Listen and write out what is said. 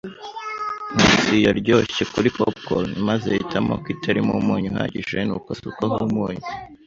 Nkusi yaryoshye kuri popcorn maze ahitamo ko itarimo umunyu uhagije, nuko asukaho umunyu.